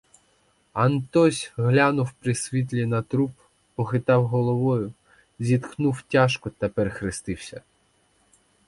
Антось глянув при світлі на труп, похитав головою, зітхнув тяжко та перехрестився.